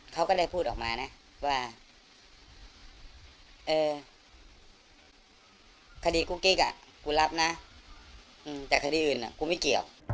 เขาก็ได้พูดออกมานะว่าคดีกุ๊กกิ๊กกูรับนะแต่คดีอื่นกูไม่เกี่ยว